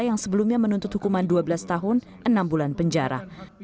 yang sebelumnya menuntut hukuman dua belas tahun enam bulan penjara